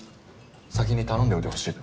先に頼んでおいてほしいと。